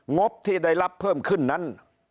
งบที่ได้รับเพิ่มขึ้นนั้น